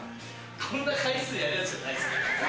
こんな回数やるやつじゃないです。